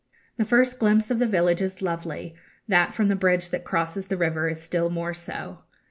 The first glimpse of the village is lovely; that from the bridge that crosses the river is still more so.